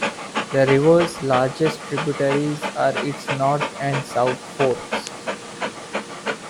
The river's largest tributaries are its north and south forks.